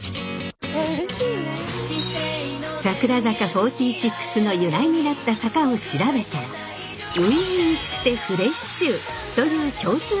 櫻坂４６の由来になった坂を調べたら初々しくてフレッシュという共通項が見つかりました。